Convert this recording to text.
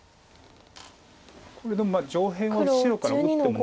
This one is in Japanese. これでも上辺は白から打っても。